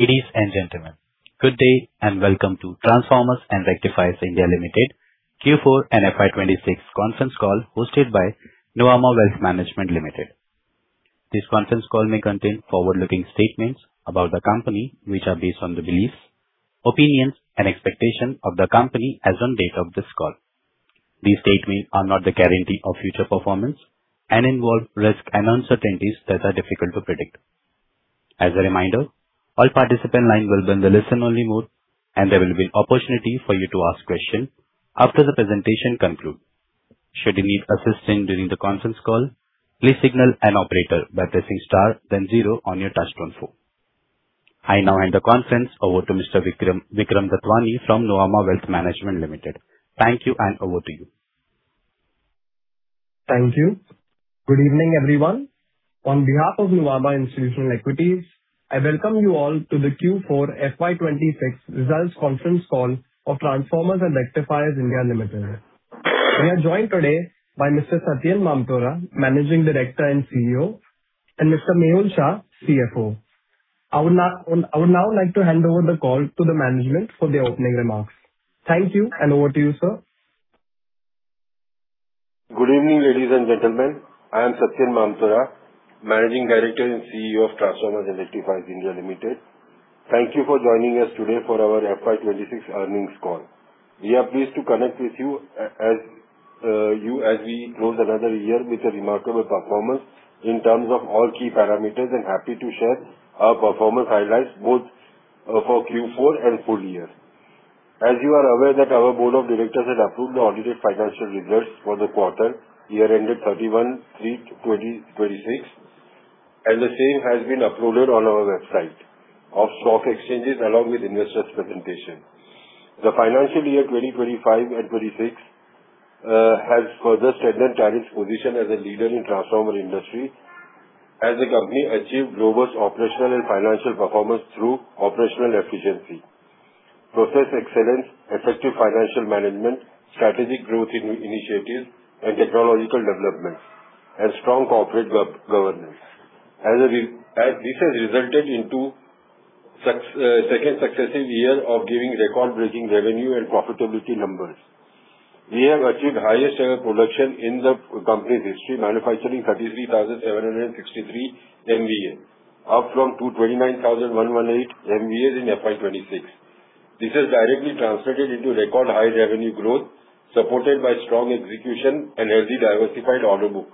Ladies and gentlemen, good day and welcome to Transformers and Rectifiers (India) Limited Q4 and FY 2026 conference call hosted by Nuvama Wealth Management Limited. This conference call may contain forward-looking statements about the company, which are based on the beliefs, opinions, and expectations of the company as of the date of this call. These statements are not guarantees of future performance and involve risks and uncertainties that are difficult to predict. As a reminder, all participant lines will be in the listen-only mode, and there will be an opportunity for you to ask questions after the presentation concludes. Should you need assistance during the conference call, please signal an operator by pressing star then zero on your touchtone phone. I now hand the conference over to Mr. Vikram Datwani from Nuvama Wealth Management Limited. Thank you, and over to you. Thank you. Good evening, everyone. On behalf of Nuvama Institutional Equities, I welcome you all to the Q4 FY 2026 results conference call for Transformers and Rectifiers (India) Limited. We are joined today by Mr. Satyam Mamtora, Managing Director and CEO, and Mr. Mehul Shah, CFO. I would now like to hand over the call to the management for the opening remarks. Thank you, and over to you, sir. Good evening, ladies and gentlemen. I am Satyam Mamtora, Managing Director and CEO of Transformers and Rectifiers (India) Limited. Thank you for joining us today for our FY 2026 earnings call. We are pleased to connect with you as we close another year with a remarkable performance in terms of all key parameters, and happy to share our performance highlights both for Q4 and full year. As you are aware that our board of directors has approved the audited financial results for the quarter and year ended 31/3/2026, and the same has been uploaded on our websites of stock exchanges along with investors' presentation. The financial year 2025 and 2026 has further strengthened T&R's position as a leader in transformer industry as the company achieved robust operational and financial performance through operational efficiency, process excellence, effective financial management, strategic growth initiatives and technological developments, and strong corporate governance. This has resulted into second successive year of giving record-breaking revenue and profitability numbers. We have achieved highest ever production in the company's history, manufacturing 33,763 MVA, up from 229,108 MVA in FY 2026. This has directly translated into record high revenue growth, supported by strong execution and a healthy diversified order book.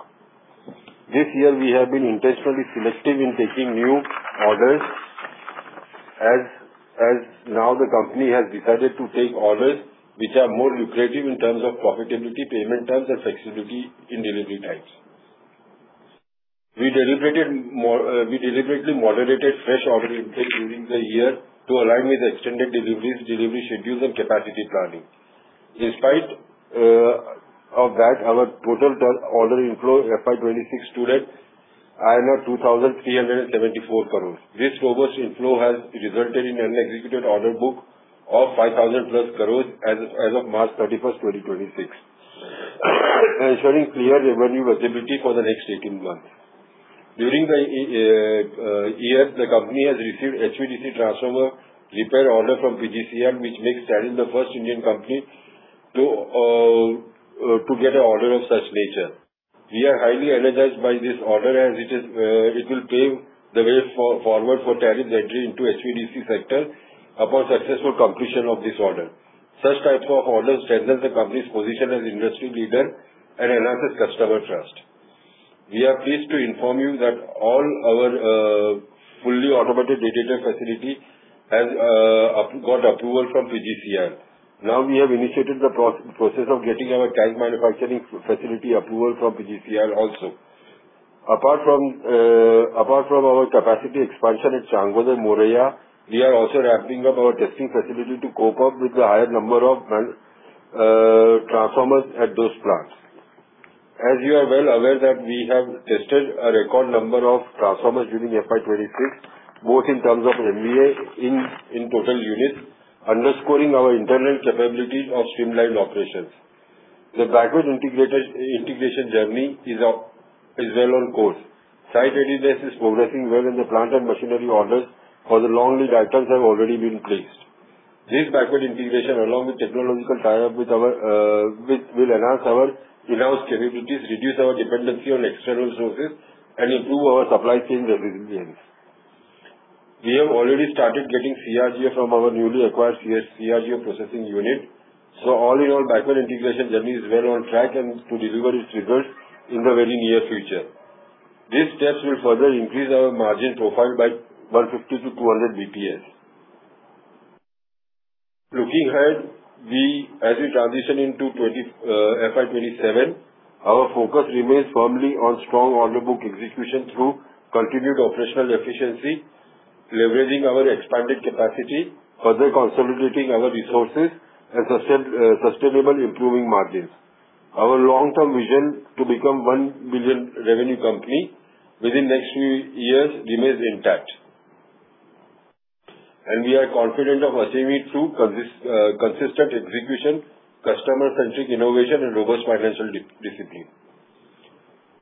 This year we have been intentionally selective in taking new orders, as now the company has decided to take orders which are more lucrative in terms of profitability, payment terms, and flexibility in delivery times. We deliberately moderated fresh order intake during the year to align with extended delivery schedules and capacity planning. In spite of that, our total order inflow FY 2026 stood at 2,374 crores. This robust inflow has resulted in an executed order book of 5,000+ crores as of March 31st, 2026, ensuring clear revenue visibility for the next 18 months. During the year, the company has received HVDC transformer repair order from PGCIL, which makes T&R the first Indian company to get an order of such nature. We are highly energized by this order as it will pave the way forward for T&R's entry into HVDC sector upon successful completion of this order. Such types of orders strengthen the company's position as industry leader and enhances customer trust. We are pleased to inform you that all our fully automated digital facility has got approval from PGCIL. Now we have initiated the process of getting our tank manufacturing facility approval from PGCIL also. Apart from our capacity expansion in Changodar and Moraiya, we are also ramping up our testing facility to cope up with the higher number of transformers at those plants. As you are well aware that we have tested a record number of transformers during FY 2026, both in terms of MVA in total units, underscoring our internal capabilities of streamlined operations. The backward integration journey is well on course. Site readiness is progressing well and the plant and machinery orders for the long lead items have already been placed. This backward integration along with technological tie-up with our will enhance our in-house capabilities, reduce our dependency on external services, and improve our supply chain resilience. We have already started getting CRGO from our newly acquired CRGO processing unit. All in all, backward integration journey is well on track and to deliver its results in the very near future. These steps will further increase our margin profile by 150-200 BPS. Looking ahead, as we transition into FY 2027, our focus remains firmly on strong order book execution through continued operational efficiency, leveraging our expanded capacity, further consolidating our resources and sustainably improving margins. Our long-term vision to become 1 billion revenue company within next few years remains intact. We are confident of achieving it through consistent execution, customer-centric innovation and robust financial discipline.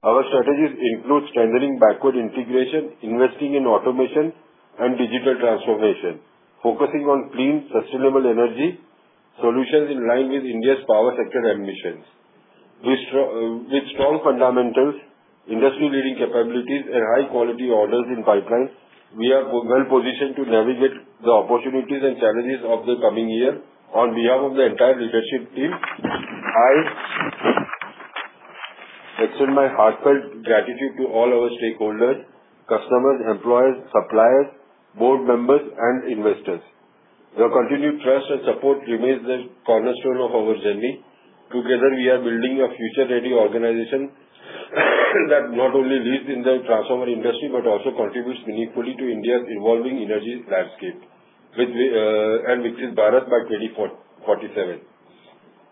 Our strategies include strengthening backward integration, investing in automation and digital transformation, focusing on clean, sustainable energy solutions in line with India's power sector ambitions. With strong fundamentals, industry-leading capabilities and high-quality orders in the pipeline, we are well-positioned to navigate the opportunities and challenges of the coming year. On behalf of the entire leadership team, I extend my heartfelt gratitude to all our stakeholders, customers, employees, suppliers, board members, and investors. Your continued trust and support remains the cornerstone of our journey. Together, we are building a future-ready organization that not only leads in the transformer industry, but also contributes meaningfully to India's evolving energy landscape, Viksit Bharat by 2047.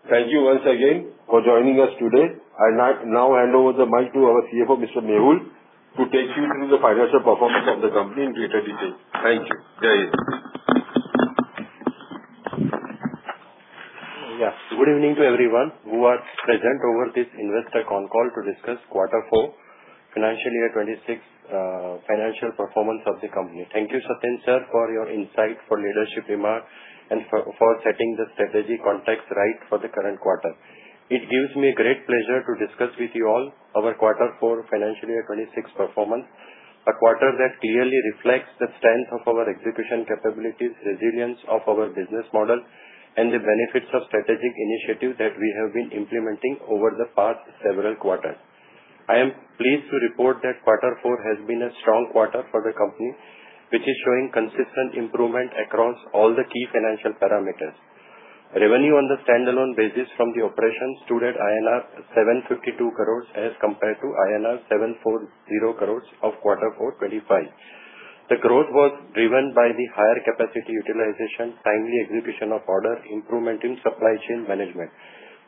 Thank you once again for joining us today. I'll now hand over the mic to our CFO, Mr. Mehul, to take you through the financial performance of the company in greater detail. Thank you. Go ahead. Yes. Good evening to everyone who are present over this investor con call to discuss quarter four, financial year 2026, financial performance of the company. Thank you, Satyam, sir, for your insight, for leadership remarks, and for setting the strategy context right for the current quarter. It gives me great pleasure to discuss with you all our quarter four financial year 2026 performance. A quarter that clearly reflects the strength of our execution capabilities, resilience of our business model, and the benefits of strategic initiatives that we have been implementing over the past several quarters. I am pleased to report that quarter four has been a strong quarter for the company, which is showing consistent improvement across all the key financial parameters. Revenue on the standalone basis from the operations stood at INR 752 crores as compared to INR 740 crores of quarter four 2025. The growth was driven by the higher capacity utilization, timely execution of orders, improvement in supply chain management.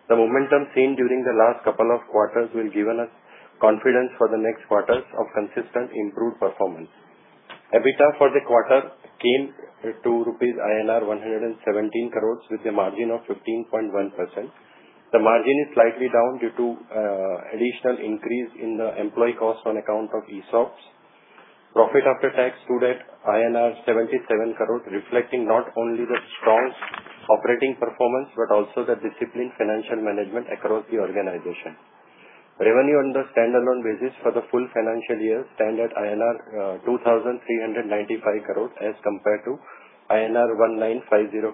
The momentum seen during the last couple of quarters will give us confidence for the next quarters of consistent improved performance. EBITDA for the quarter came to INR 117 crores with a margin of 15.1%. The margin is slightly down due to additional increase in the employee cost on account of ESOPs. Profit after tax stood at INR 77 crores, reflecting not only the strong operating performance but also the disciplined financial management across the organization. Revenue on the standalone basis for the full financial year stands at INR 2,395 crores as compared to INR 1,950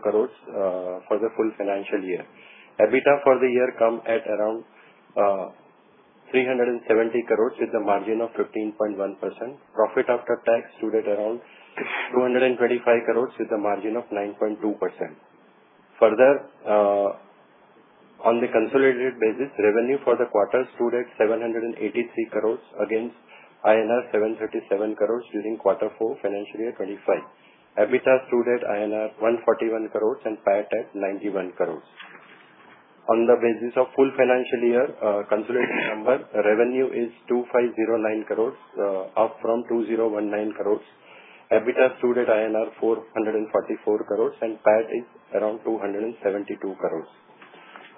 crores for the full financial year. EBITDA for the year come at around 370 crores with a margin of 15.1%. Profit after tax stood at around 225 crores with a margin of 9.2%. Further, on the consolidated basis, revenue for the quarter stood at 783 crores against INR 737 crores during quarter four FY 2025. EBITDA stood at INR 141 crores and PAT at 91 crores. On the basis of full financial year, consolidated number revenue is 2,509 crores, up from 2,019 crores. EBITDA stood at INR 444 crores and PAT is around 272 crores.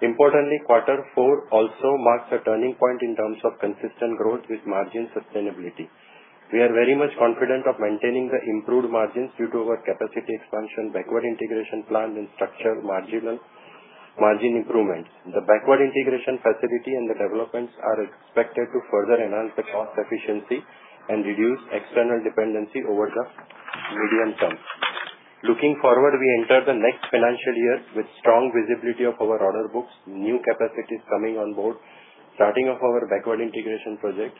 Importantly, quarter four also marks a turning point in terms of consistent growth with margin sustainability. We are very much confident of maintaining the improved margins due to our capacity expansion, backward integration plan and structural margin improvements. The backward integration facility and the developments are expected to further enhance the cost efficiency and reduce external dependency over the medium term. Looking forward, we enter the next financial year with strong visibility of our order books, new capacities coming on board, starting of our backward integration projects.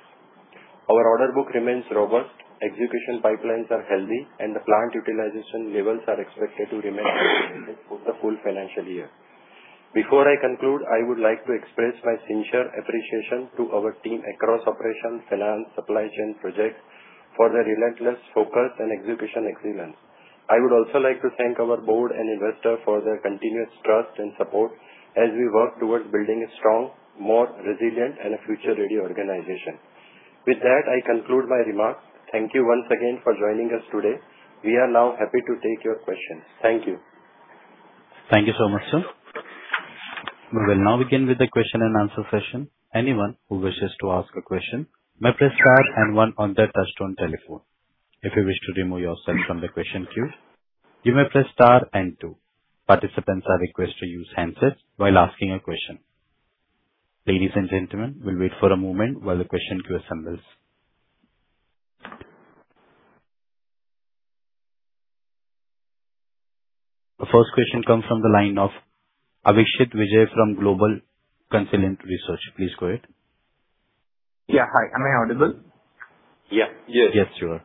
Our order book remains robust, execution pipelines are healthy, and the plant utilization levels are expected to remain for the full financial year. Before I conclude, I would like to express my sincere appreciation to our team across operations, finance, supply chain, projects for their relentless focus and execution excellence. I would also like to thank our board and investors for their continuous trust and support as we work towards building a strong, more resilient and a future-ready organization. With that, I conclude my remarks. Thank you once again for joining us today. We are now happy to take your questions. Thank you. Thank you so much, sir. We will now begin with the question and answer session. Anyone who wishes to ask a question may press star and one on their touch-tone telephone. If you wish to remove yourself from the question queue, you may press star and two. Participants are requested to use handsets while asking a question. Ladies and gentlemen, we'll wait for a moment while the question queue assembles. The first question comes from the line of Abhishek Vijay from Global Consilient Research. Please go ahead. Yeah. Hi. Am I audible? Yeah. Yes. Yes, you are.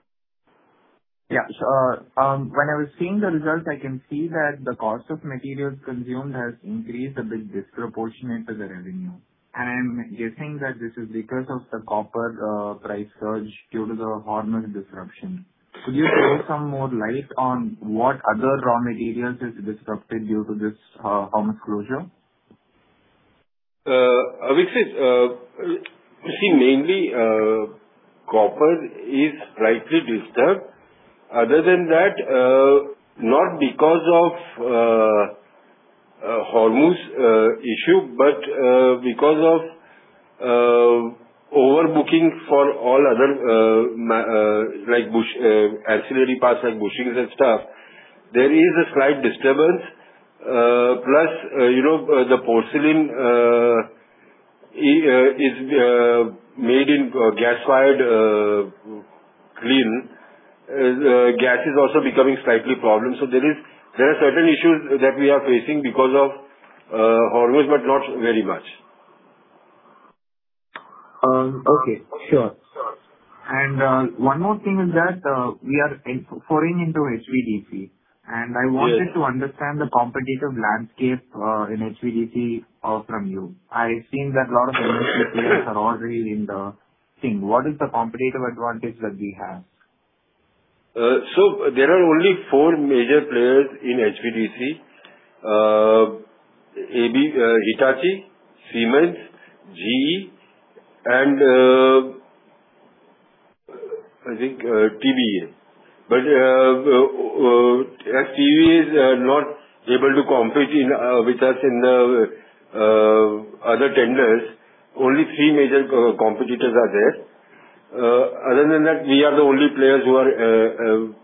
Yeah. When I was seeing the results, I can see that the cost of materials consumed has increased a bit disproportionate to the revenue. I'm guessing that this is because of the copper price surge due to the Hormuz disruption. Could you throw some more light on what other raw materials is disrupted due to this Hormuz closure? Abhishek, you see, mainly, copper is slightly disturbed. Other than that, not because of a Hormuz issue, but because of overbooking for all other ancillary parts like bushings and stuff, there is a slight disturbance. Plus, the porcelain is made in gas-fired kiln. Gas is also becoming slightly a problem. There are certain issues that we are facing because of Hormuz, but not very much. Okay, sure. One more thing is that we are foraying into HVDC, and I wanted to understand the competitive landscape in HVDC from you. I've seen that a lot of players are already in the thing. What is the competitive advantage that we have? There are only four major players in HVDC. Hitachi, Siemens, GE, and, I think, TBEA. TBEA is not able to compete with us in other tenders. Only three major competitors are there. Other than that, we are the only players who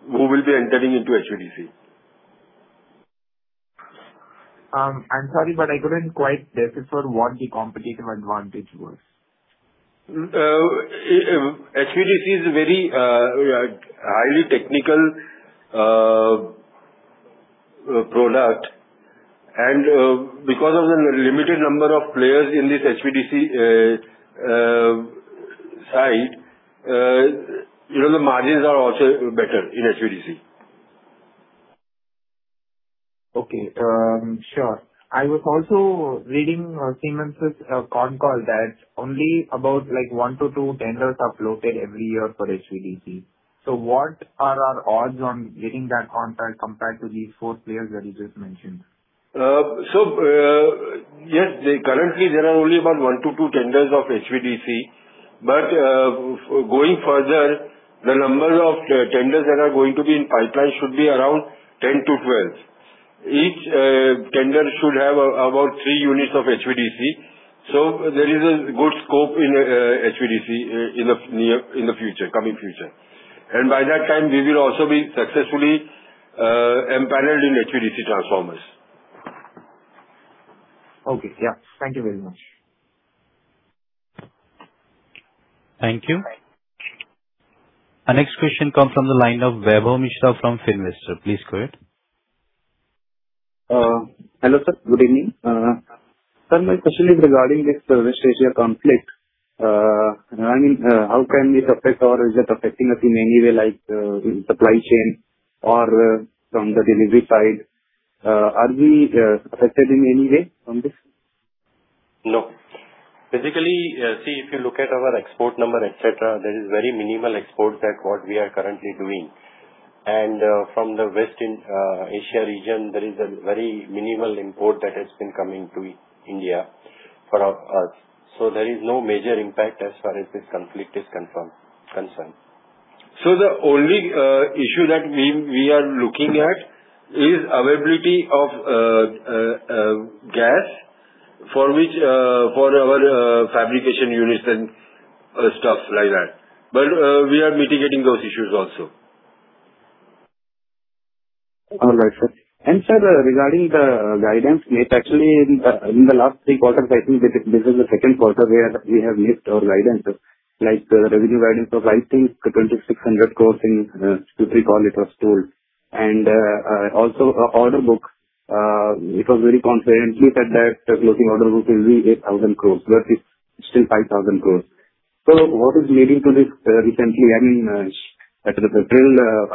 will be entering into HVDC. I'm sorry, but I couldn't quite decipher what the competitive advantage was. HVDC is a very highly technical product, and because of the limited number of players in this HVDC space, the margins are also better in HVDC. Okay, sure. I was also reading Siemens' con call that only about one to two tenders are floated every year for HVDC. What are our odds on getting that contract compared to these four players that you just mentioned? Yes, currently there are only about one to two tenders of HVDC, going further, the numbers of tenders that are going to be in pipeline should be around 10-12. Each tender should have about three units of HVDC. There is a good scope in HVDC in the coming future. By that time, we will also be successfully empaneled in HVDC transformers. Okay. Yeah. Thank you very much. Thank you. Our next question comes from the line of [Vaibhav Mishra] from Finvestor. Please go ahead. Hello, sir. Good evening. Sir, my question is regarding this West Asia conflict. How can this affect or is it affecting us in any way like supply chain or from the delivery side? Are we affected in any way from this? No. Basically, see, if you look at our export number, et cetera, there is very minimal exports that what we are currently doing. From the Western Asia region, there is a very minimal import that has been coming to India for us. There is no major impact as far as this conflict is concerned. The only issue that we are looking at is availability of gas for our fabrication units and stuff like that. We are mitigating those issues also. All right, sir. Sir, regarding the guidance, actually in the last three quarters, I think this is the second quarter where we have missed our guidance. Like the revenue guidance was, I think, 2,600 crores in Q3 call it was told. Also order books, it was very confidently said that closing order book will be 8,000 crores, but it's still 5,000 crores. What is leading to this recently? I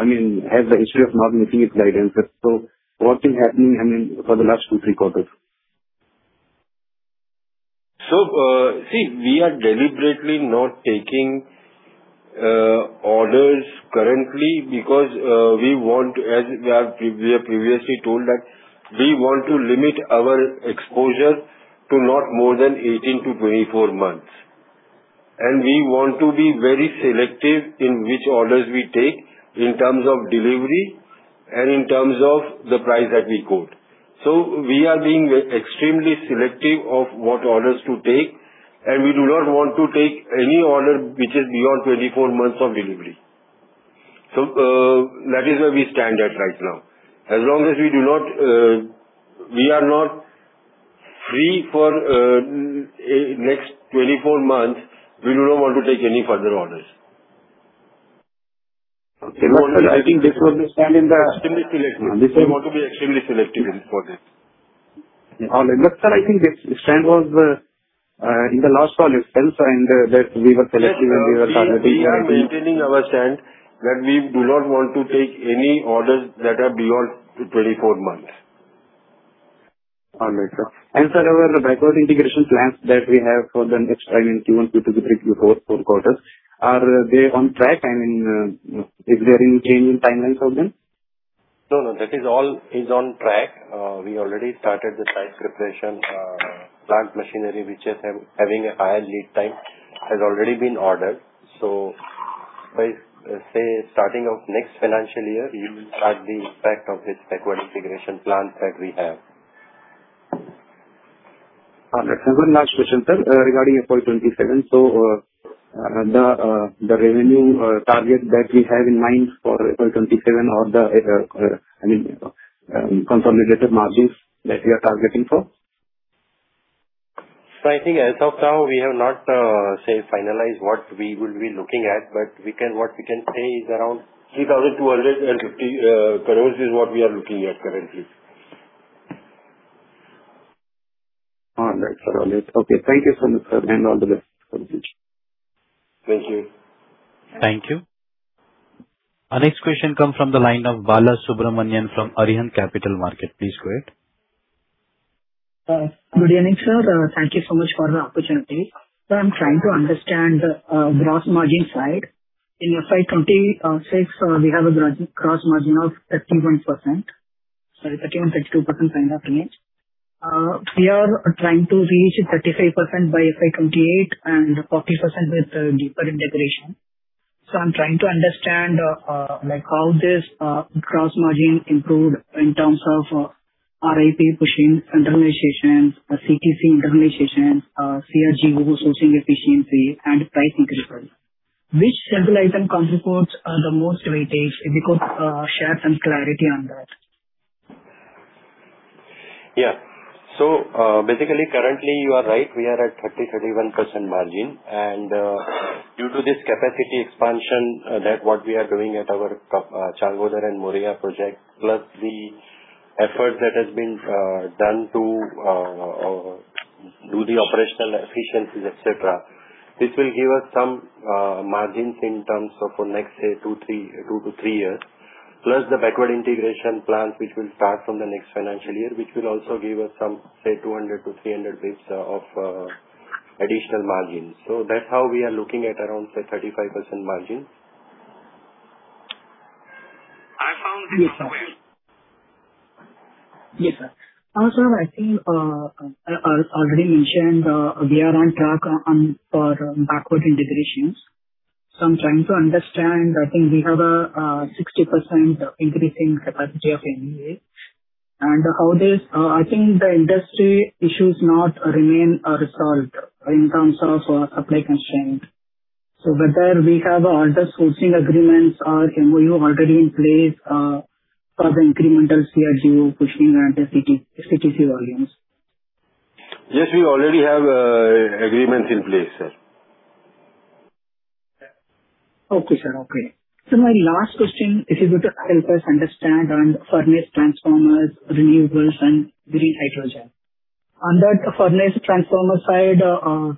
mean, has the issue of not meeting its guidance. What is happening for the last two, three quarters? See, we are deliberately not taking orders currently because we want to, as we have previously told that we want to limit our exposure to not more than 18-24 months. We want to be very selective in which orders we take in terms of delivery and in terms of the price that we quote. We are being extremely selective of what orders to take, and we do not want to take any order which is beyond 24 months of delivery. That is where we stand at right now. As long as we are not free for next 24 months, we do not want to take any further orders. Okay. I think this was the stand in the. Extremely selective. We want to be extremely selective in orders. All right. Sir, I think the stand was in the last call itself and that we were selective and we were targeting. We are maintaining our stand that we do not want to take any orders that are beyond 24 months. All right, sir. Sir, our backward integration plans that we have for the next time in Q1, Q2, Q3, Q4, four quarters. Are they on track? I mean, is there any change in timelines of them? No, that is all on track. We already started the site preparation. Plant machinery which is having a higher lead time has already been ordered, so By, say, the start of next financial year, you will start to see the impact of this backward integration plan that we have. All right. One last question, sir, regarding FY 2027. The revenue target that we have in mind for FY 2027 or the consolidated margins that we are targeting for? I think as of now, we have not finalized what we will be looking at, but what we can say is around 3,250 crores is what we are looking at currently. All right, sir. Okay. Thank you so much, sir. All the best for the future. Thank you. Thank you. Our next question comes from the line of Bala Subramanian from Arihant Capital Markets. Please go ahead. Good evening, sir. Thank you so much for the opportunity. Sir, I'm trying to understand the gross margin side. In FY 2026, we have a gross margin of 31%. Sorry, 31%-32% kind of range. We are trying to reach 35% by FY 2028 and 40% with deeper integration. I'm trying to understand how this gross margin improved in terms of RIP pushing internalization, CTC internalization, CRGO sourcing efficiency and pricing discipline. Which single item contributes the most weightage? If you could share some clarity on that. Yeah. Basically, currently you are right, we are at 30%-31% margin. Due to this capacity expansion, that's what we are doing at our Changodar and Moraiya project, plus the effort that has been done to do the operational efficiencies, etc., this will give us some margins in terms of for next, say, 2-3 years. Plus the backward integration plan, which will start from the next financial year, which will also give us some, say, 200-300 basis points of additional margins. That's how we are looking at around, say, 35% margin. I found- Yes, sir. Also, I think already mentioned, we are on track for backward integrations. I'm trying to understand, I think we have a 60% increasing capacity of MVA and how this, I think the industry issues not remain resolved in terms of supply constraint. Whether we have alternative sourcing agreements or MOU already in place for the incremental CRGO pushing and the CTC volumes. Yes, we already have agreements in place, sir. Okay, sir. My last question, if you could help us understand on furnace transformers, renewables and green hydrogen. On that furnace transformer side,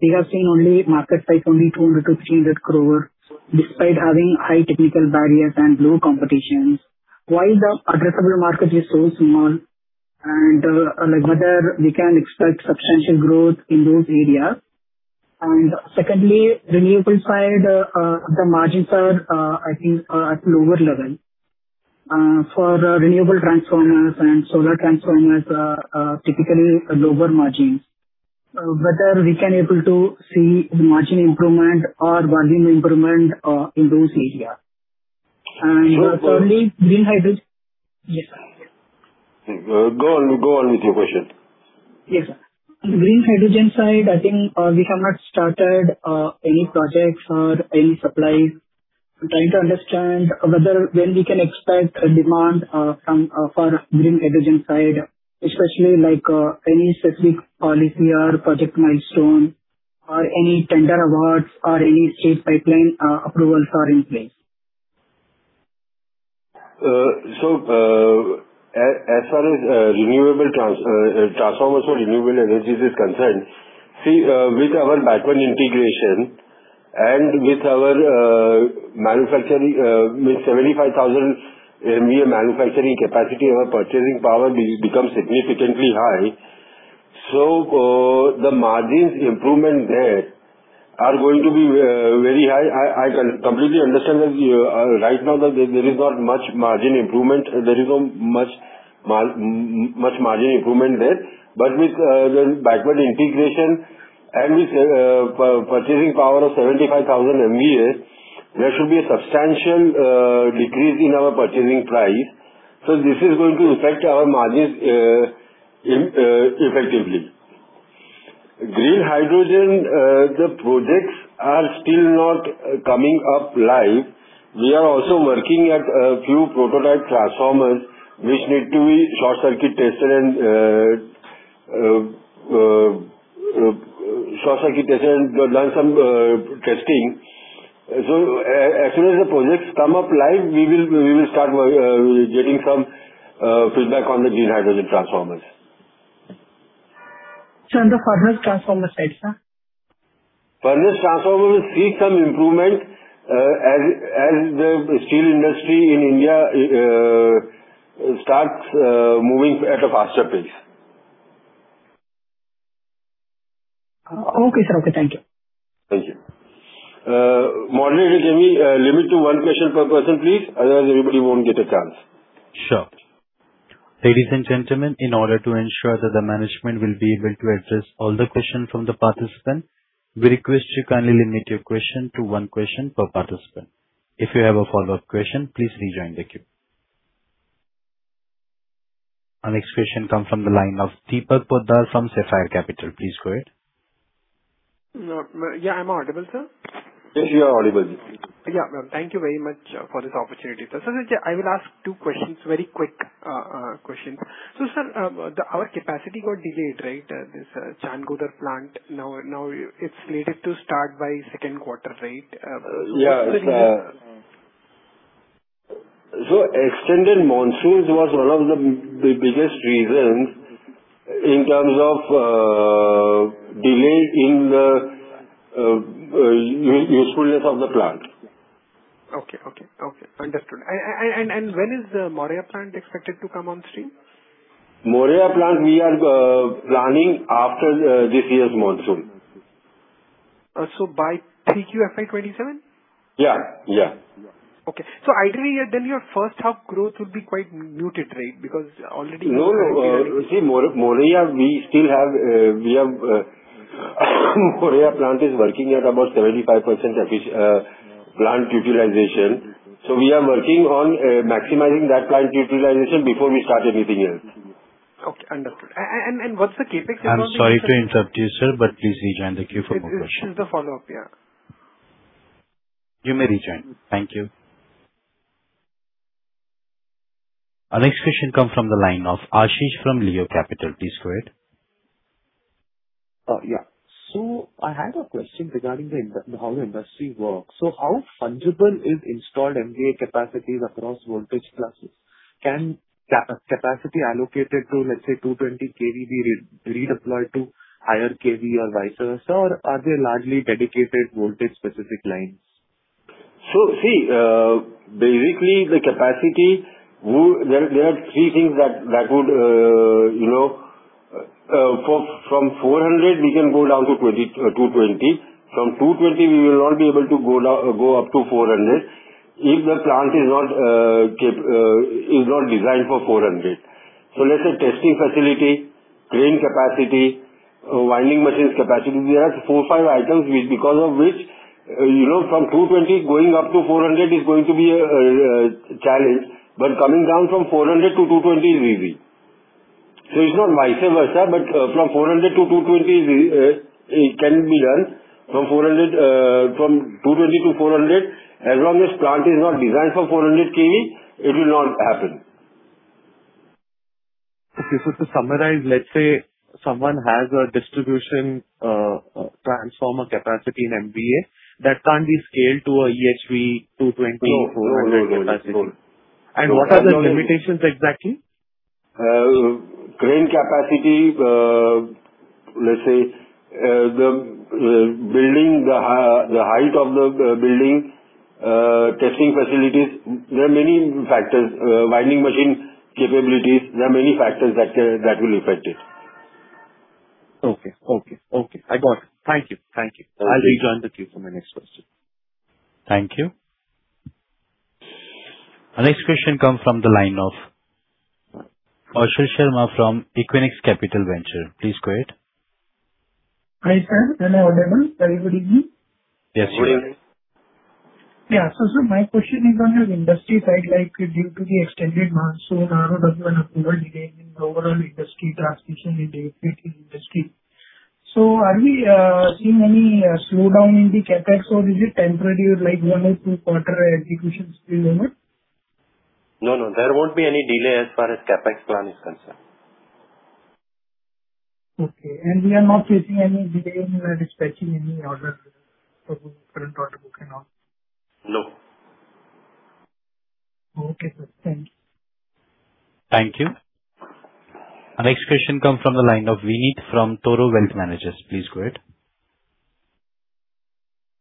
we have seen only market size 200- 300 crore despite having high technical barriers and low competitions. Why the addressable market is so small and whether we can expect substantial growth in those areas? Secondly, renewable side, the margins are, I think, at lower level. For renewable transformers and solar transformers, typically lower margins. Whether we can able to see margin improvement or volume improvement in those areas. Thirdly, green hydrogen. Go on with your question. Yes. On the green hydrogen side, I think we have not started any projects or any supply. I'm trying to understand whether when we can expect a demand for green hydrogen side, especially like any specific policy or project milestone or any tender awards or any state pipeline approvals are in place. As far as transformers for renewable energies is concerned, see, with our backward integration and with our manufacturing, means 75,000 MVA manufacturing capacity, our purchasing power become significantly high. The margins improvement there are going to be very high. I completely understand that right now there is not much margin improvement there. With the backward integration and with purchasing power of 75,000 MVA, there should be a substantial decrease in our purchasing price. This is going to affect our margins effectively. Green hydrogen, the projects are still not coming up live. We are also working at a few prototype transformers which need to be short-circuit tested and done some testing. As soon as the projects come up live, we will start getting some feedback on the green hydrogen transformers. Sir, on the furnace transformer side, sir. Furnace transformer will see some improvement as the steel industry in India starts moving at a faster pace. Okay, sir. Okay. Thank you. Thank you. Moderator, can we limit to one question per person, please? Otherwise, everybody won't get a chance. Sure. Ladies and gentlemen, in order to ensure that the management will be able to address all the questions from the participants, we request you kindly limit your question to one question per participant. If you have a follow-up question, please rejoin the queue. Our next question comes from the line of Deepak Poddar from Sapphire Capital. Please go ahead. Yeah. I'm audible, sir? Yes, you are audible. Yeah. Thank you very much for this opportunity, sir. I will ask two questions, very quick questions. Sir, our capacity got delayed, this Changodar plant. Now it's slated to start by second quarter, right? Yeah. Extended monsoons was one of the biggest reasons in terms of delay in the usefulness of the plant. Okay. Understood. When is the Moraiya plant expected to come on stream? Moraiya plant, we are planning after this year's monsoon. by 3Q FY 2027? Yeah. Okay. Ideally, then your first half growth will be quite muted, right? Because already- No. See, Moraiya plant is working at about 75% plant utilization. We are working on maximizing that plant utilization before we start anything else. Okay, understood. What's the CapEx- I'm sorry to interrupt you, sir, but please rejoin the queue for more questions. This is the follow-up, yeah. You may rejoin. Thank you. Our next question comes from the line of Ashish from Leo Capital. Please go ahead. Yeah. I had a question regarding how the industry works. How fungible is installed MVA capacities across voltage classes? Can capacity allocated to, let's say, 220 kV be redeployed to higher kV or vice versa, or are they largely dedicated voltage specific lines? See, basically the capacity, there are three things that would. From 400, we can go down to 220. From 220, we will not be able to go up to 400, if the plant is not designed for 400. Let's say testing facility, crane capacity, winding machines capacity, we have four or five items because of which from 220 going up to 400 is going to be a challenge, but coming down from 400 to 220 is easy. It's not vice versa, but from 400 to 220 it can be done. From 220 to 400, as long as plant is not designed for 400 kV, it will not happen. Okay. To summarize, let's say someone has a distribution transformer capacity in MVA that can't be scaled to a EHV 220- No. 400 capacity. What are the limitations exactly? Crane capacity, let's say the height of the building, testing facilities. There are many factors. Winding machines capabilities. There are many factors that will affect it. Okay. I got it. Thank you. Okay. I'll rejoin the queue for my next question. Thank you. Our next question comes from the line of Kaushal Sharma from Equinox Capital Venture. Please go ahead. Hi, sir. Am I audible? Very good evening. Yes, you are. Yeah. Sir, my question is on the industry side. Like due to the extended monsoon, there was an approval delay in the overall industry transmission in the industry. Are we seeing any slowdown in the CapEx or is it temporary with like one or two quarter executions delayed? No, there won't be any delay as far as CapEx plan is concerned. Okay. We are not facing any delay in dispatching any orders for the current quarter book and all? No. Okay, sir. Thank you. Thank you. Our next question comes from the line of Vineet from Toro Wealth Managers. Please go ahead.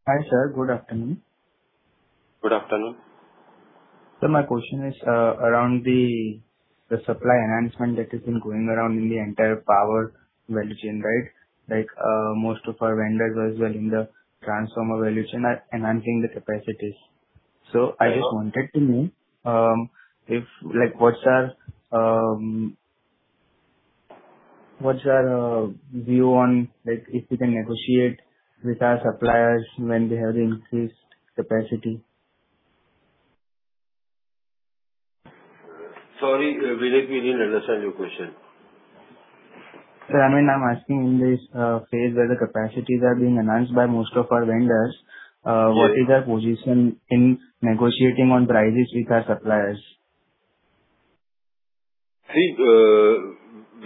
Hi, sir. Good afternoon. Good afternoon. Sir, my question is around the supply enhancement that has been going around in the entire power value chain. Most of our vendors as well in the transformer value chain are enhancing the capacities. I just wanted to know what's your view on if we can negotiate with our suppliers when they have increased capacity? Sorry, Vineet, we didn't understand your question. Sir, I'm asking in this phase where the capacities are being enhanced by most of our vendors. Yeah. What is our position in negotiating on prices with our suppliers? See,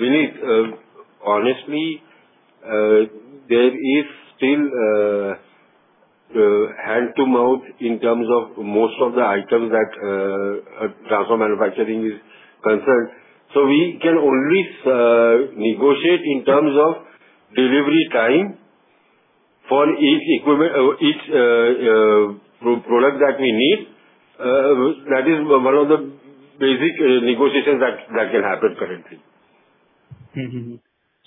Vineet, honestly, there is still hand-to-mouth in terms of most of the items that transformer manufacturing is concerned. We can only negotiate in terms of delivery time for each product that we need. That is one of the basic negotiations that can happen currently.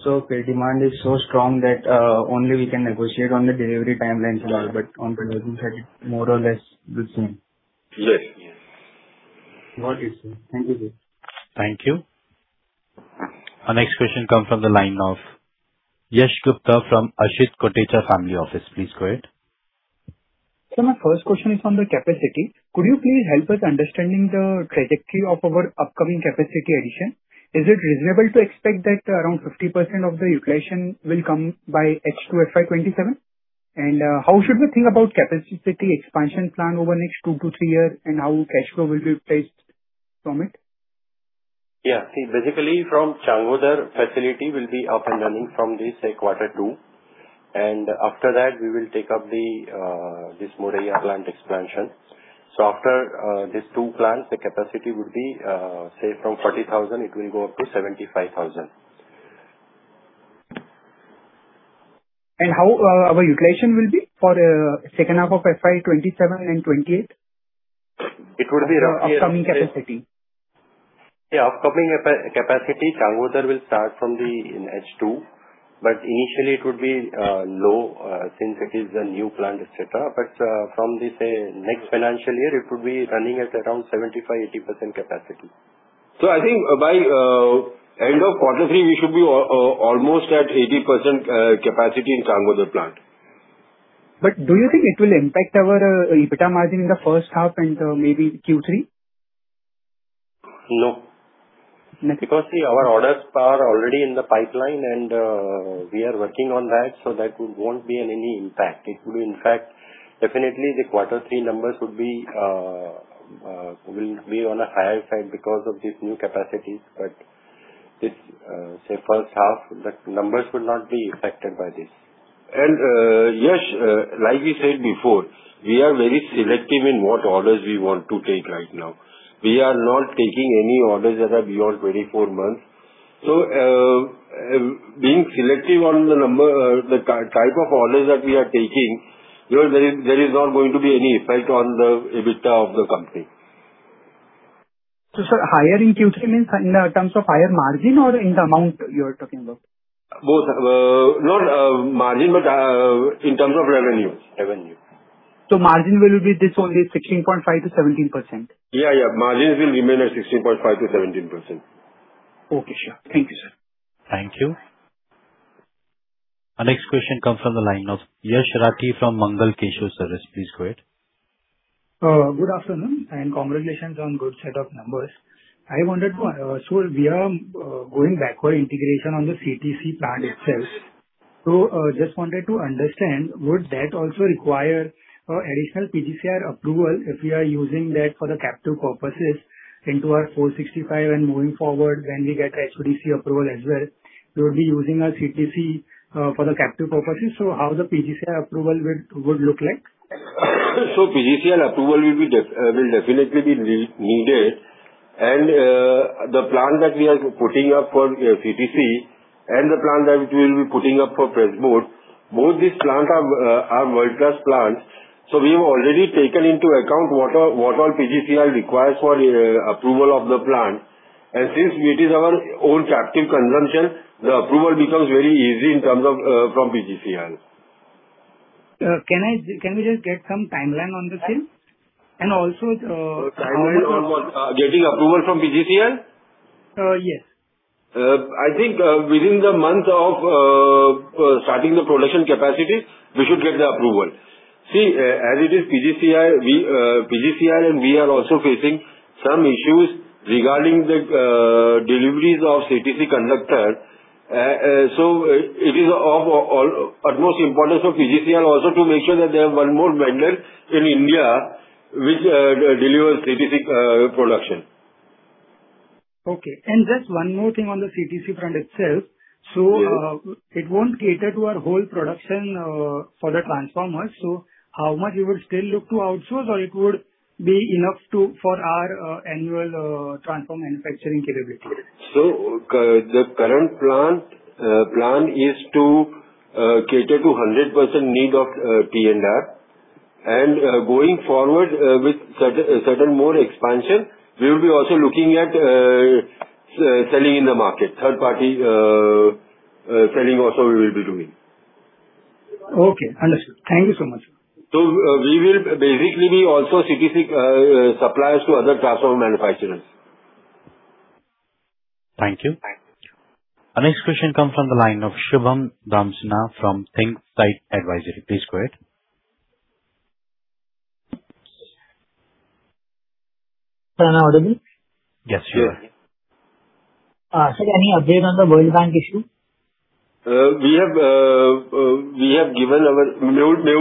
The demand is so strong that only we can negotiate on the delivery timelines, but on pricing side, more or less the same. Yes. Got it, sir. Thank you. Thank you. Our next question comes from the line of Yash Gupta from Asit Koticha Family Office. Please go ahead. Sir, my first question is on the capacity. Could you please help us understanding the trajectory of our upcoming capacity addition? Is it reasonable to expect that around 50% of the utilization will come by H2 FY 2027? How should we think about capacity expansion plan over the next 2-3 years and how cash flow will be placed from it? See, basically from Changodar facility will be up and running from this quarter two. After that, we will take up this Moraiya plant expansion. After these two plants, the capacity would be, say, from 40,000, it will go up to 75,000. How our utilization will be for the second half of FY 2027 and 2028 upcoming capacity? Yeah, upcoming capacity, Changodar will start from the H2, but initially it would be low since it is a new plant, et cetera. From the next financial year it would be running at around 75%-80% capacity. I think by end of quarter three we should be almost at 80% capacity in Changodar plant. Do you think it will impact our EBITDA margin in the first half and maybe Q3? No. No. Because, see, our orders are already in the pipeline and we are working on that, so that won't be any impact. It will in fact, definitely the quarter three numbers will be on a higher side because of these new capacities. Say first half, the numbers will not be affected by this. Yash, like we said before, we are very selective in what orders we want to take right now. We are not taking any orders that are beyond 24 months. Being selective on the type of orders that we are taking, there is not going to be any effect on the EBITDA of the company. Sir, higher in Q3 means in the terms of higher margin or in the amount you are talking about? Both. Not margin, but in terms of revenue. Revenue. Margin will be this only 16.5%-17%. Yeah. Margins will remain at 16.5%-17%. Okay, sure. Thank you, sir. Thank you. Our next question comes from the line of Yash Rathi from Mangal Keshav Services. Please go ahead. Good afternoon and congratulations on good set of numbers. We are going backward integration on the CTC plant itself. Just wanted to understand, would that also require additional PGCIL approval if we are using that for the captive purposes into our 465 kV and moving forward when we get HVDC approval as well? We will be using our CTC for the captive purposes, so how the PGCIL approval would look like? PGCIL approval will definitely be needed. The plant that we are putting up for CTC and the plant that we will be putting up for Pressboard, both these plants are world-class plants. We have already taken into account what all PGCIL requires for approval of the plant. Since it is our own captive consumption, the approval becomes very easy from PGCIL. Can we just get some timeline on the same? Timeline on what? Getting approval from PGCIL? Yes. I think within the month of starting the production capacity, we should get the approval. See, as it is, PGCIL and we are also facing some issues regarding the deliveries of CTC conductor. It is of utmost importance to PGCIL also to make sure that they have one more vendor in India which delivers CTC production. Okay. Just one more thing on the CTC plant itself. Yes. It won't cater to our whole production for the transformers. How much you would still look to outsource or it would be enough for our annual transformer manufacturing capability? The current plan is to cater to 100% need of T&R. Going forward with certain more expansion, we will be also looking at selling in the market. Third party selling also we will be doing. Okay, understood. Thank you so much. We will basically be also CTC suppliers to other transformer manufacturers. Thank you. Thank you. Our next question comes from the line of [Shubham Ramsna] from Think Site Advisory. Please go ahead. Sir, am I audible? Yes, sure. Yeah. Sir, any update on the World Bank issue? Mehul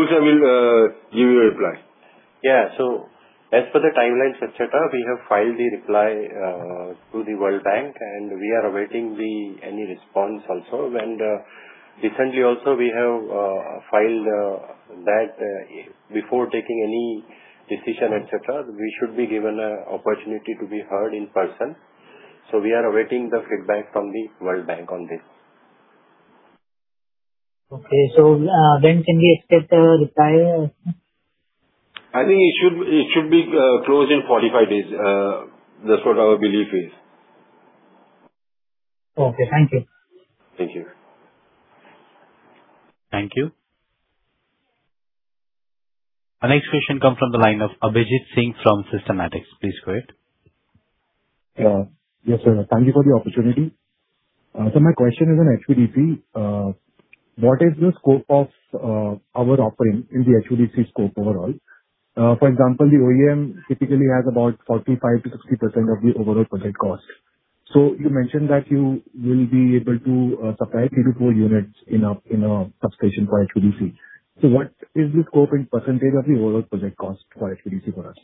Shah will give you a reply. Yeah. As per the timelines, et cetera, we have filed the reply to the World Bank, and we are awaiting any response also. Recently also we have filed that before taking any decision, et cetera, we should be given an opportunity to be heard in person. We are awaiting the feedback from the World Bank on this. Okay. Can we expect a reply? I think it should be closed in 45 days. That's what our belief is. Okay. Thank you. Thank you. Thank you. Our next question comes from the line of Abhijeet Singh from Systematix. Please go ahead. Yes, sir. Thank you for the opportunity. My question is on HVDC. What is the scope of our offering in the HVDC scope overall? For example, the OEM typically has about 45%-60% of the overall project cost. You mentioned that you will be able to supply 3-4 units in a substation for HVDC. What is the scope in percentage of the overall project cost for HVDC for us?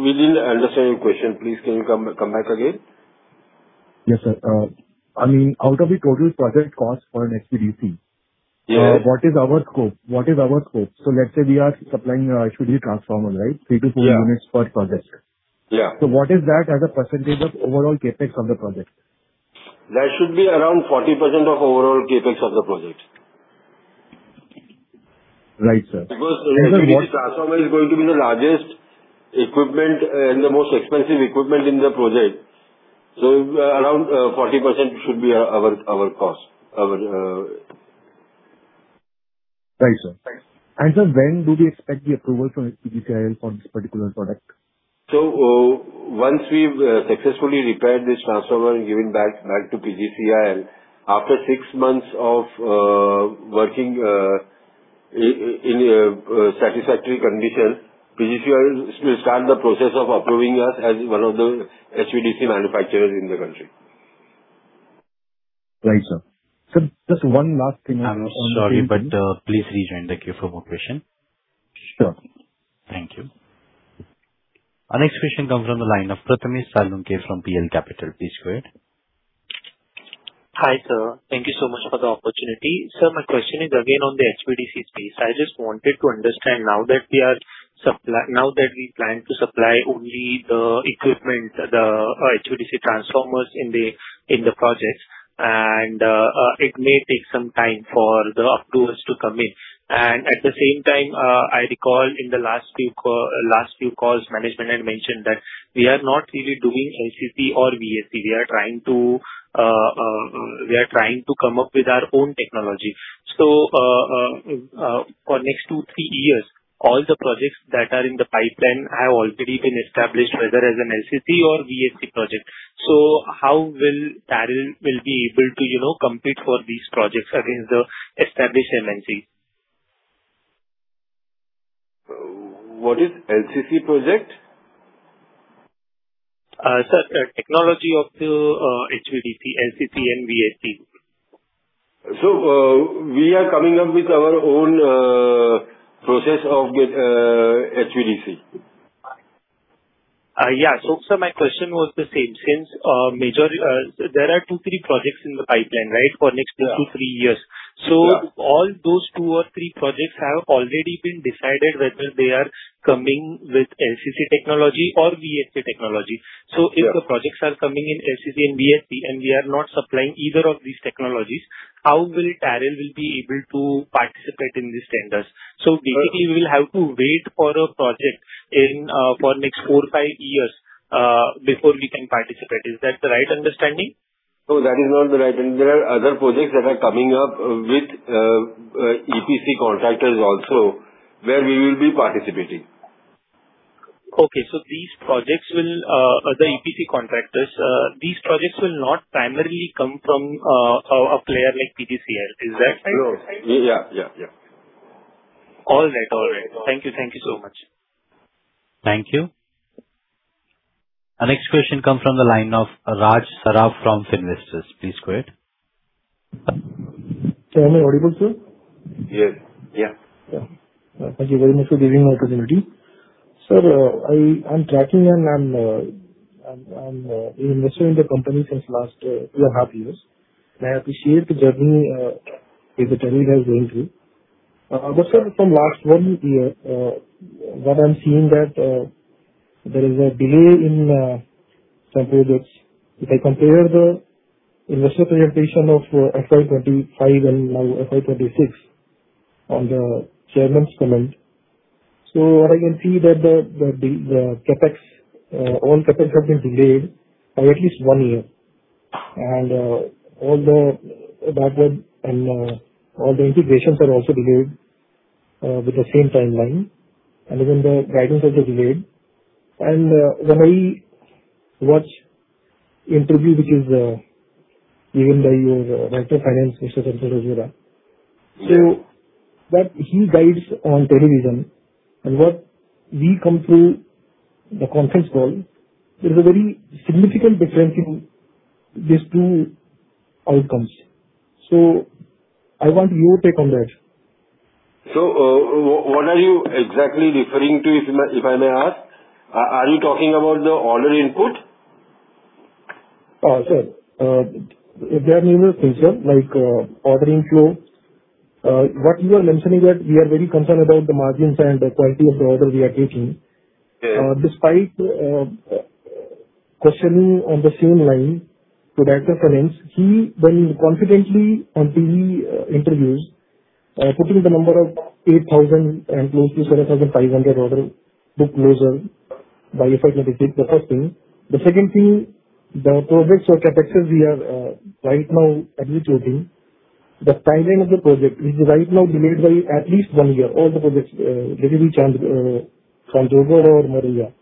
We didn't understand your question. Please, can you come back again? Yes, sir. Out of the total project cost for an HVDC- Yeah. What is our scope? Let's say we are supplying HVDC transformer, right? 3-4 units per project. Yeah. What is that as a % of overall CapEx of the project? That should be around 40% of overall CapEx of the project. Right, sir. Because HVDC transformer is going to be the largest equipment and the most expensive equipment in the project. Around 40% should be our cost. Right, sir. Sir, when do we expect the approval from PGCIL for this particular product? Once we've successfully repaired this transformer and given back to PGCIL, after six months of working in a satisfactory condition, PGCIL will start the process of approving us as one of the HVDC manufacturers in the country. Right, sir. Sir, just one last thing. I'm sorry, but please rejoin the queue for more question. Sure. Thank you. Our next question comes from the line of Prathmesh Salunkhe from PL Capital. Please go ahead. Hi, sir. Thank you so much for the opportunity. Sir, my question is again on the HVDC space. I just wanted to understand now that we plan to supply only the equipment, the HVDC transformers in the projects, and it may take some time for the approvals to come in. At the same time, I recall in the last few calls, management had mentioned that we are not really doing LCC or VSC. We are trying to come up with our own technology. For next two, three years, all the projects that are in the pipeline have already been established whether as an LCC or VSC project. How will T&R be able to compete for these projects against the established MNC? What is LCC project? Sir, technology of the HVDC, LCC and VSC. We are coming up with our own process of HVDC. Yeah. Sir, my question was the same. Since there are 2-3 projects in the pipeline, right? For next 2-3 years. Yeah. All those two or three projects have already been decided whether they are coming with LCC technology or VSC technology. If the projects are coming in LCC and VSC and we are not supplying either of these technologies, how will T&R be able to participate in these tenders? We will have to wait for a project for next four, five years, before we can participate. Is that the right understanding? No, that is not right. There are other projects that are coming up with EPC contractors also where we will be participating. Okay. These projects with the EPC contractors, these projects will not primarily come from a player like PGCIL. Is that right? Yeah. All right. Thank you. Thank you so much. Thank you. Our next question comes from the line of [Raj Sarraf] from Finvestors. Please go ahead. Sir, am I audible to you? Yes. Thank you very much for giving the opportunity. Sir, I'm tracking and I'm invested in the company since last two and a half years. I appreciate the journey that is going through. Sir, from last one year, what I'm seeing that there is a delay in some projects. If I compare the investor presentation of FY 2025 and now FY 2026 on the chairman's comment, what I can see that all CapEx have been delayed by at least one year and all the backward and all the integrations are also delayed with the same timeline and even the guidance has been delayed. When I watch interview, which is given by your Director of Finance, Mr. Chanchal Rajora, what he guides on television and what we come to know in the conference call, there is a very significant difference in these two outcomes. I want your take on that. What are you exactly referring to, if I may ask? Are you talking about the order input? Sir, there are numerous things, sir, like order inflow. What you are mentioning, that we are very concerned about the margins and the quality of the order we are getting. Yes. Despite questioning on the same line to Director of Finance, he very confidently, in TV interviews, putting the number of 8,000 and close to 7,500 order book closure by FY 2026, the first thing. The second thing, the projects or CapExes we have right now at which we're doing, the timing of the project, which is right now delayed by at least one year, all the projects, whether it be Changodar or Moraiya.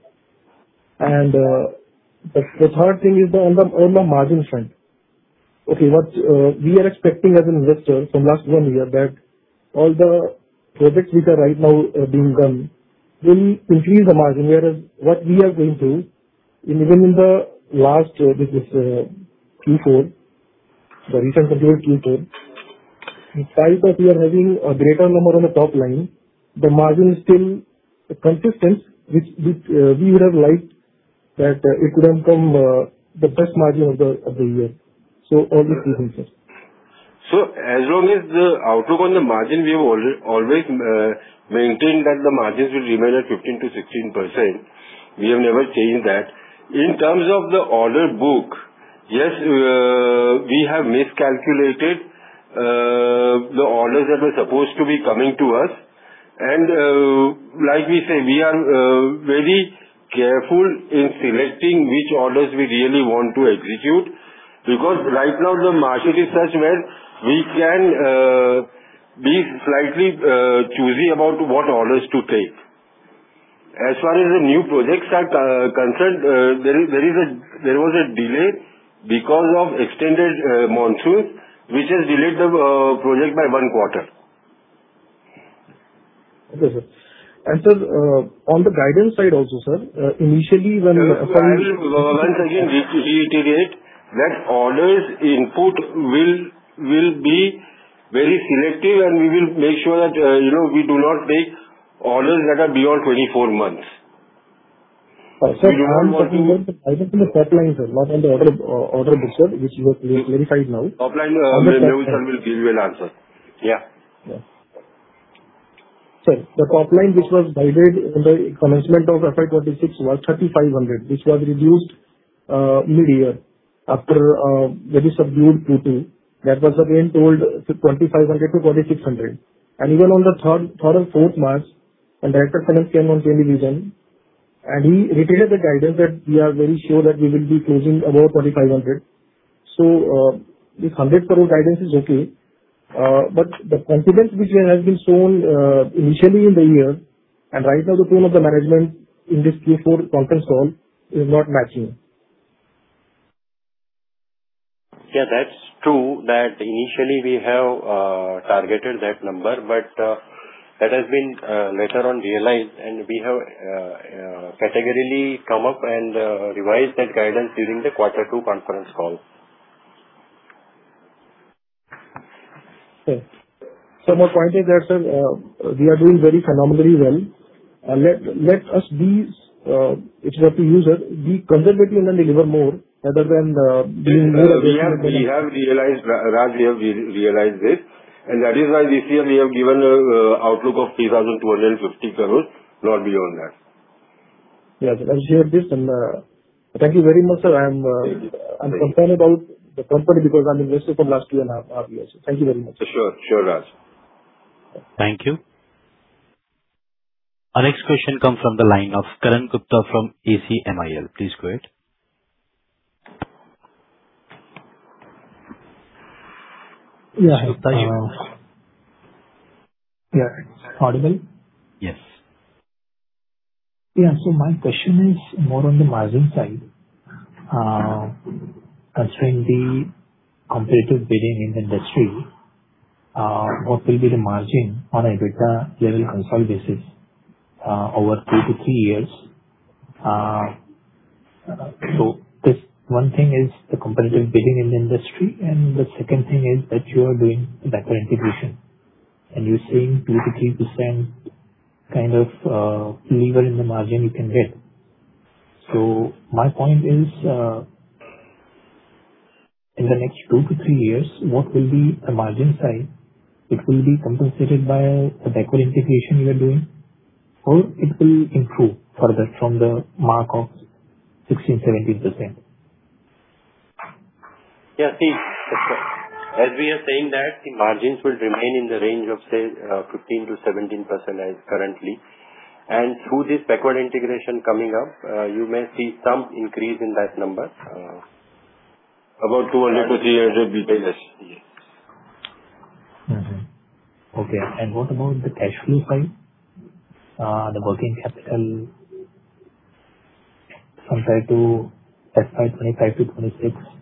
The third thing is on the margin front. Okay, what we are expecting as investors from last one year that all the projects which are right now being done will increase the margin, whereas what we are going through, even in the last, which is Q4, the recent completed Q4, in spite of we are having a greater number on the top line, the margin is still consistent, which we would have liked that it could have come the best margin of the year. All these things, sir. As long as the outlook on the margin, we have always maintained that the margins will remain at 15%-16%. We have never changed that. In terms of the order book, yes, we have miscalculated the orders that were supposed to be coming to us. Like we say, we are very careful in selecting which orders we really want to execute, because right now the market is such where we can be slightly choosy about what orders to take. As far as the new projects are concerned, there was a delay because of extended monsoon, which has delayed the project by one quarter. Okay, sir. Sir, on the guidance side also, sir, initially when I will once again reiterate that orders input will be very selective, and we will make sure that we do not take orders that are beyond 24 months. Sir, I was asking you the guidance in the top line, sir, not on the order books, sir, which you have clarified now. Top line, Mehul Shah will answer. Yeah. Sir, the top line which was guided in the commencement of FY 2026 was 3,500 crore, which was reduced mid-year after very subdued Q2. That was again told to 2,500 crore-4,600 crore. Even on the 3rd and 4th March, when Director of Finance came on television, and he repeated the guidance that we are very sure that we will be closing above 4,500 crore. This 100 crore guidance is okay, but the confidence which has been shown initially in the year and right now the tone of the management in this Q4 conference call is not matching. Yeah, that's true that initially we have targeted that number, but that has been later on realized, and we have categorically come up and revised that guidance during the quarter two conference call. Okay. My point is that, sir, we are doing very phenomenally well. Let us be conservative if we have to use it and then deliver more rather than being more. We have realized this, and that is why this year we have given an outlook of 3,250 crores, not beyond that. Yes, I share this, and thank you very much, sir. Thank you. I'm concerned about the company because I'm invested from last two and a half years. Thank you very much. Sure, Raj. Thank you. Our next question comes from the line of Karan Gupta from ACMIIL. Please go ahead. Yeah. Hi. Yeah, audible? Yes. Yeah. My question is more on the margin side. Concerning the competitive bidding in the industry, what will be the margin on a better level consolidated basis over 2-3 years? One thing is the competitive bidding in the industry, and the second thing is that you are doing backward integration, and you're saying 2%-3% kind of leverage in the margin you can get. My point is, in the next 2-3 years, what will be the margin side? It will be compensated by the backward integration you are doing, or it will improve further from the mark of 16%, 17%. Yeah, see, as we are saying that margins will remain in the range of, say, 15%-17% as currently. Through this backward integration coming up, you may see some increase in that number, about 200-300 basis points. Mm-hmm. Okay. What about the cash flow side, the working capital compared to FY 2025 to 2026,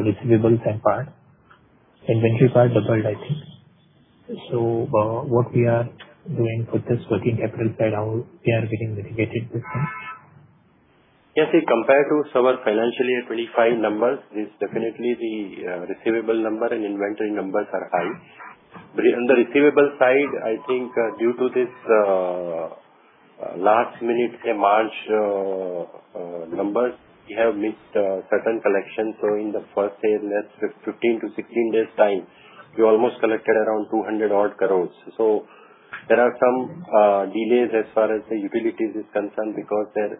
receivables and part, inventory part doubled, I think. What we are doing for this working capital side now, we are getting mitigated with them. Yes, see, compared to our financial year 2025 numbers, it's definitely the receivable number and inventory numbers are high. But on the receivable side, I think due to this. Last-minute March numbers, we have missed certain collections. In the first year, in that 15-16 days time, we almost collected around 200-odd crore. There are some delays as far as the utilities are concerned because their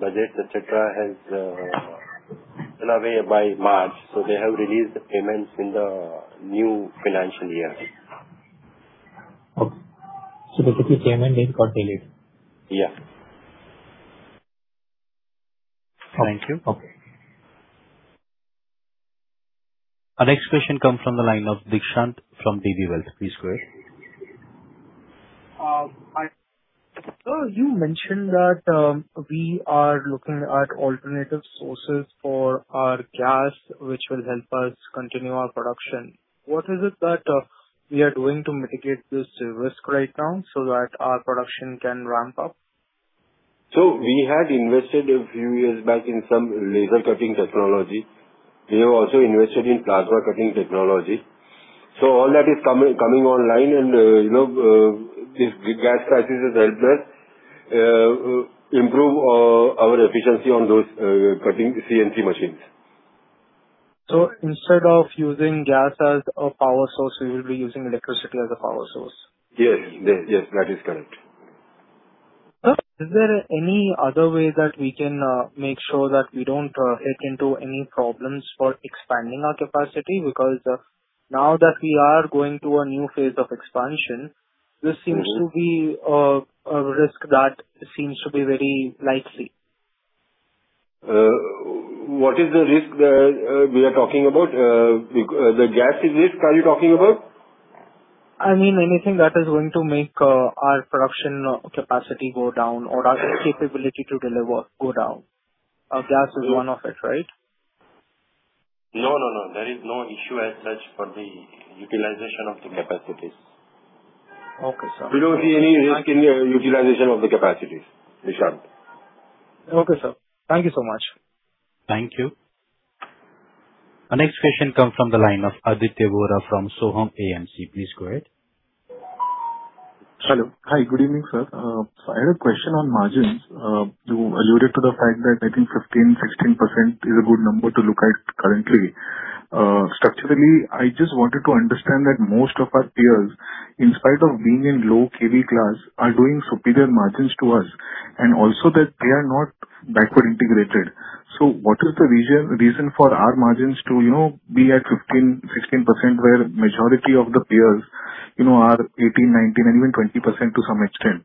budget, etc., has been delayed by March. They have released the payments in the new financial year. Okay. Basically payment is got delayed. Yeah. Thank you. Okay. Our next question comes from the line of Deekshant from DB Wealth. Please go ahead. Sir, you mentioned that we are looking at alternative sources for our gas, which will help us continue our production. What is it that we are doing to mitigate this risk right now so that our production can ramp up? We had invested a few years back in some laser cutting technology. We have also invested in plasma cutting technology. All that is coming online and if the gas crisis has helped us improve our efficiency on those cutting CNC machines. Instead of using gas as a power source, we will be using electricity as a power source. Yes. That is correct. Sir, is there any other way that we can make sure that we don't hit into any problems for expanding our capacity? Because now that we are going to a new phase of expansion, this seems to be a risk that seems to be very likely. What is the risk we are talking about? The gas risk, are you talking about? I mean, anything that is going to make our production capacity go down or our capability to deliver go down. Gas is one of it, right? No, no. There is no issue as such for the utilization of the capacities. Okay, sir. We don't see any risk in the utilization of the capacities, Deekshant. Okay, sir. Thank you so much. Thank you. Our next question comes from the line of Aditya Vora from Sohum AMC. Please go ahead. Hello. Hi. Good evening, sir. I had a question on margins. You alluded to the fact that I think 15%, 16% is a good number to look at currently. Structurally, I just wanted to understand that most of our peers, in spite of being in low kV class, are doing superior margins to us, and also that they are not backward integrated. What is the reason for our margins to be at 15%, 16%, where majority of the peers are 18%, 19%, and even 20% to some extent.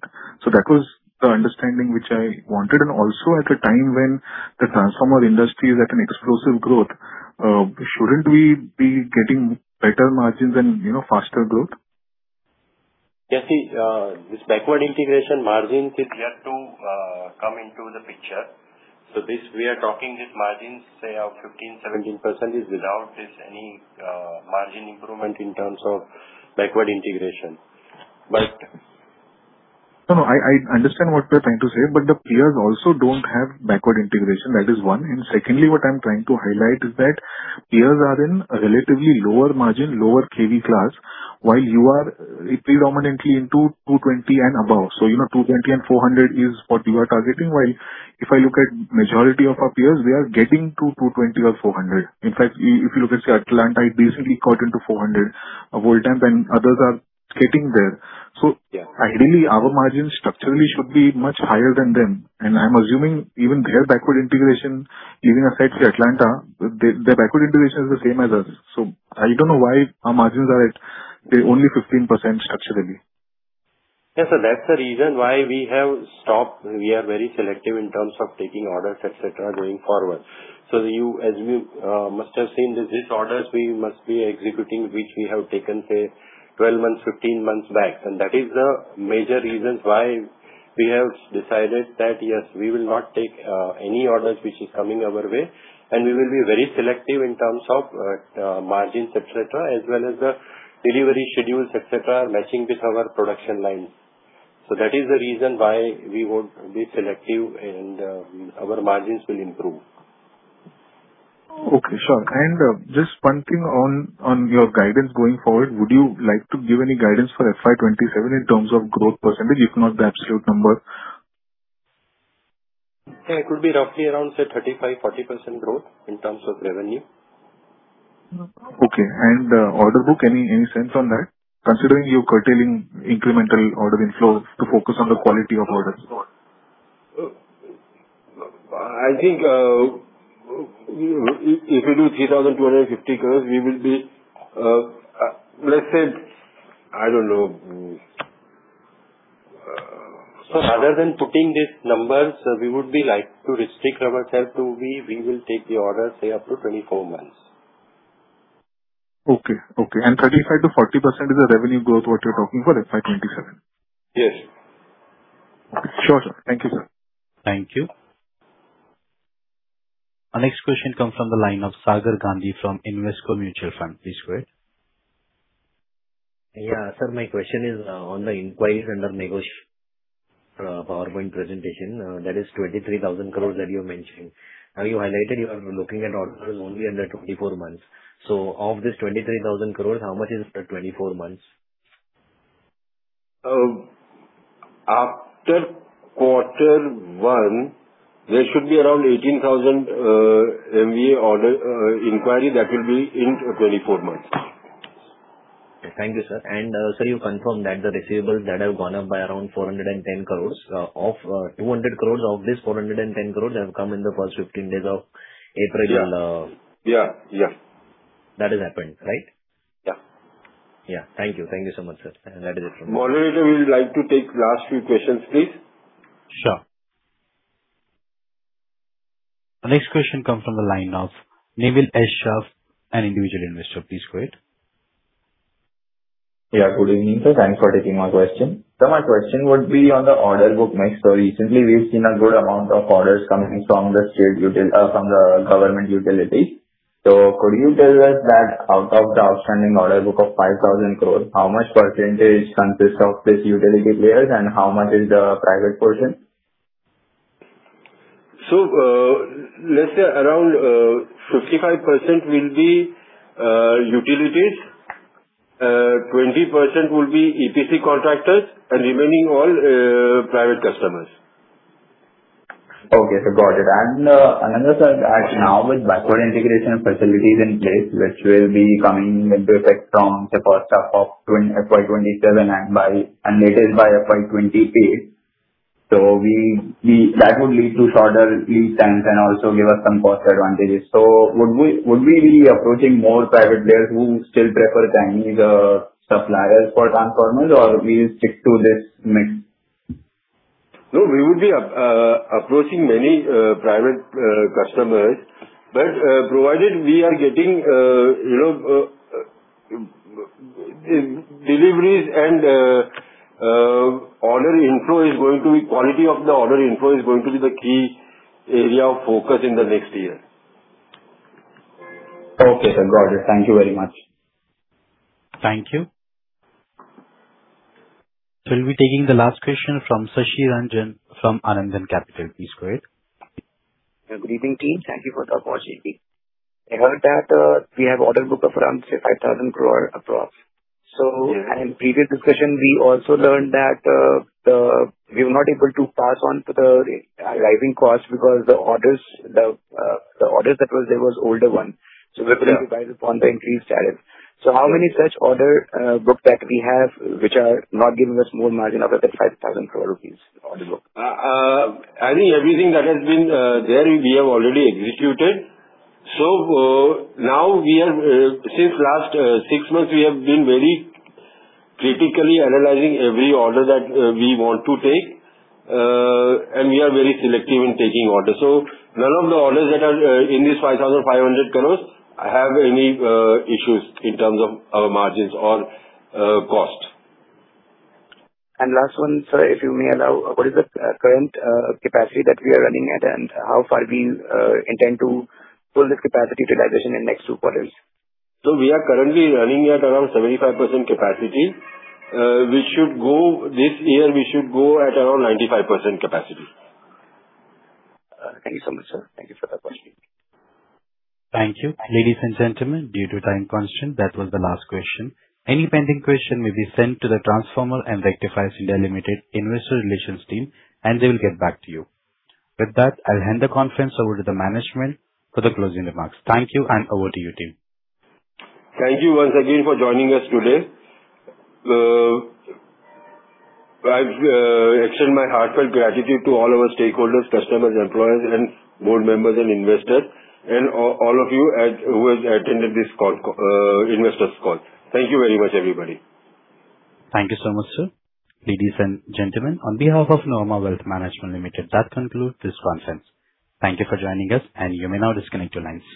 That was the understanding which I wanted. Also, at a time when the transformer industry is at an explosive growth, shouldn't we be getting better margins and faster growth? Yes. See, this backward integration margin is yet to come into the picture. This, we are talking these margins, say, of 15%-17% is without any margin improvement in terms of backward integration. No, I understand what you're trying to say, but the peers also don't have backward integration, that is one. Secondly, what I'm trying to highlight is that peers are in a relatively lower margin, lower kV class, while you are predominantly into 220 kV and above. You know 220kV and 400kV is what you are targeting. While if I look at majority of our peers, we are getting to 220 kV or 400 kV. In fact, if you look at, say, Atlanta, it recently got into 400 kV and others are getting there. Yeah. Ideally, our margin structurally should be much higher than them. I'm assuming even their backward integration, even aside from Atlanta, their backward integration is the same as us. I don't know why our margins are at the only 15% structurally. Yes, sir. That's the reason why we have stopped. We are very selective in terms of taking orders, et cetera, going forward. As you must have seen, these orders we must be executing, which we have taken, say, 12 months, 15 months back. That is the major reasons why we have decided that, yes, we will not take any orders which is coming our way, and we will be very selective in terms of margins, et cetera, as well as the delivery schedules, et cetera, matching with our production lines. That is the reason why we would be selective and our margins will improve. Okay, sure. Just one thing on your guidance going forward. Would you like to give any guidance for FY 2027 in terms of growth percentage, if not the absolute number? Yeah, it could be roughly around, say, 35%-40% growth in terms of revenue. Okay. Order book, any sense on that, considering you're curtailing incremental order inflows to focus on the quality of orders? I think if we do 3,250 crore, we will be, let's say, I don't know. Rather than putting these numbers, we would like to restrict ourselves to, we will take the order, say, up to 24 months. Okay. 35%-40% is the revenue growth what you're talking for FY 2027? Yes. Sure, sir. Thank you, sir. Thank you. Our next question comes from the line of Sagar Gandhi from Invesco Mutual Fund. Please go ahead. Yeah, sir, my question is on the inquiry under negotiation PowerPoint presentation, that is 23,000 crore that you mentioned. Now you highlighted you are looking at orders only under 24 months. Of this 23,000 crore, how much is for 24 months? After quarter one, there should be around 18,000 MVA order inquiry that will be in 24 months. Thank you, sir. Sir, you confirm that the receivables that have gone up by around 410 crore, of 200 crore, of this 410 crore have come in the first 15 days of April. Yeah. That has happened, right? Yeah. Yeah. Thank you. Thank you so much, sir. That is it from my side. Moderator, we would like to take last few questions, please. Sure. Next question comes from the line of Neville S. Shaft, an individual investor. Please go ahead. Good evening, sir. Thanks for taking my question. My question would be on the order book mix. Recently we've seen a good amount of orders coming from the government utilities. Could you tell us that out of the outstanding order book of 5,000 crore, how much percentage consists of these utility players and how much is the private portion? Let's say around 55% will be utilities, 20% will be EPC contractors and remaining all private customers. Okay. Got it. Another third now with backward integration facilities in place, which will be coming into effect from the first half of FY 2027 and dated by FY 2028. That would lead to shorter lead times and also give us some cost advantages. Would we be approaching more private players who still prefer Chinese suppliers for transformers or we'll stick to this mix? No, we would be approaching many private customers. Provided we are getting deliveries and quality of the order inflow is going to be the key area of focus in the next year. Okay, sir. Got it. Thank you very much. Thank you. We'll be taking the last question from [Shashi Ranjan] from Anandan Capital. Please go ahead. Good evening, team. Thank you for the opportunity. I heard that we have order book of around, say, 5,000 crore approx. Yeah. In the previous discussion we also learned that we were not able to pass on the rising cost because the orders that was there was older one. Yeah. We're putting it from the point the increase started. How many such order books that we have, which are not giving us more margin other than 5,000 crore rupees order book? I think everything that has been there, we have already executed. Now since last six months, we have been very critically analyzing every order that we want to take, and we are very selective in taking orders. None of the orders that are in this 5,500 crores have any issues in terms of our margins or cost. Last one, sir, if you may allow, what is the current capacity that we are running at and how far we intend to pull this capacity utilization in next two quarters? We are currently running at around 75% capacity. This year we should go at around 95% capacity. Thank you so much, sir. Thank you for the opportunity. Thank you. Ladies and gentlemen, due to time constraint, that was the last question. Any pending question will be sent to the Transformers and Rectifiers (India) Limited investor relations team, and they will get back to you. With that, I'll hand the conference over to the management for the closing remarks. Thank you, and over to you, team. Thank you once again for joining us today. I extend my heartfelt gratitude to all our stakeholders, customers, employees, and board members and investors and all of you who have attended this investors call. Thank you very much, everybody. Thank you so much, sir. Ladies and gentlemen, on behalf of Nuvama Wealth Management Limited, that concludes this conference. Thank you for joining us and you may now disconnect your lines.